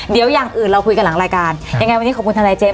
เดี๋ยวอย่างอื่นเราคุยกันหลังรายการยังไงวันนี้ขอบคุณทนายเจมส